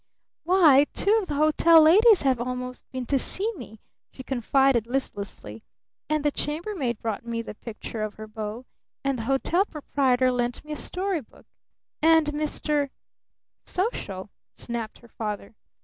"Why two of the hotel ladies have almost been to see me," she confided listlessly. "And the chambermaid brought me the picture of her beau. And the hotel proprietor lent me a story book. And Mr. " "Social?" snapped her father.